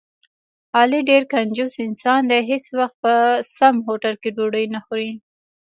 علي ډېر کنجوس انسان دی، هېڅ وخت په سم هوټل کې ډوډۍ نه خوري.